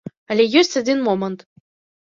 Але ёсць адзін момант.